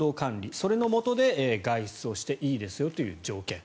それのもとで外出をしていいですよという条件。